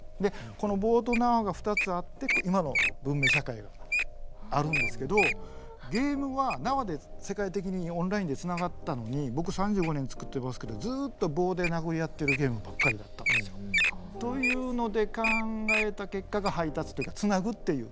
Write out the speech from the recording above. この棒と縄が２つあって今の文明社会があるんですけどゲームは縄で世界的にオンラインで繋がったのに僕３５年つくってますけどずっと棒で殴り合ってるゲームばっかりだったんですよ。というので考えた結果が配達というか繋ぐっていう。